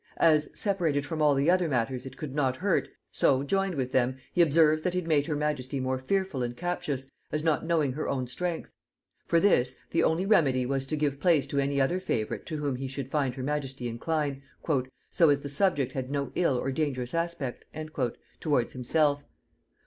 As, separated from all the other matters it could not hurt, so, joined with them, he observes that it made her majesty more fearful and captious, as not knowing her own strength. For this, the only remedy was to give place to any other favorite to whom he should find her majesty incline, "so as the subject had no ill or dangerous aspect" towards himself.